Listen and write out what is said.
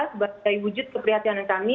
sebagai wujud keprihatinan kami